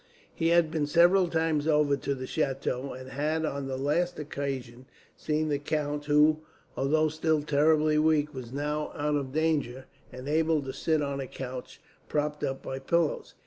He had been several times over to the chateau, and had on the last occasion seen the count; who, although still terribly weak, was now out of danger, and able to sit on a couch, propped up by pillows.